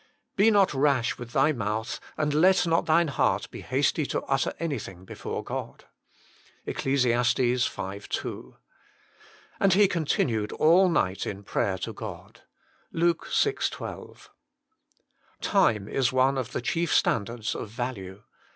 "Be not rash with thy mouth, and let not thine heart be hasty to utter anything before God." ECCLES. v. 2. "And He continued all night in prayer to God." LUKE vi. 12. Time is one of the chief standards of value.